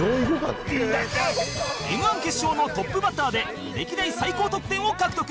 Ｍ−１ 決勝のトップバッターで歴代最高得点を獲得